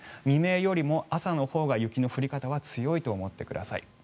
未明よりも朝のほうが雪の降り方は強いと思ってください。